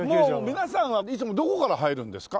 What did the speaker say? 皆さんはいつもどこから入るんですか？